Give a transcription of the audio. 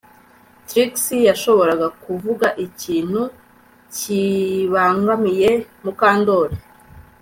Trix yashoboraga kuvuga ikintu kibangamiye Mukandoli